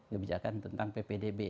kebijakan tentang ppdb